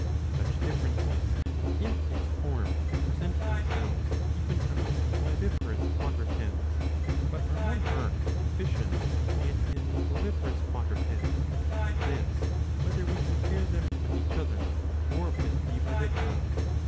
^ Such differences in its form present themselves even among the viviparous quad rupeds, but are more marked in fishes and in the oviparous quadrupeds, and this whether we compare them with each other or with the vivip'ara.